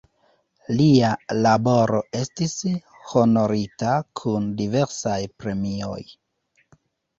Lia laboro estis honorita kun diversaj premioj.